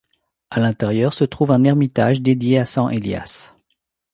À l'intérieur se trouve un ermitage dédié à San Elias.